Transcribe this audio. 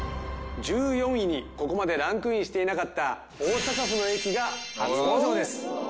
１４位にここまでランクインしていなかった大阪府の駅が初登場です。